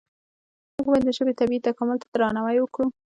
موږ باید د ژبې طبیعي تکامل ته درناوی وکړو.